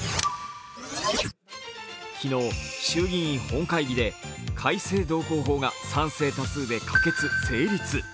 昨日、衆議院本会議で改正道交法が賛成多数で可決・成立。